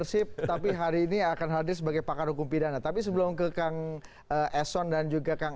sip tapi hari ini akan hadir sebagai pakar hukum pidana tapi sebelum ke kang eson dan juga kang